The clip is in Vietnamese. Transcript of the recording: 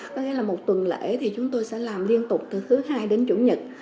có nghĩa là một tuần lễ thì chúng tôi sẽ làm liên tục từ thứ hai đến chủ nhật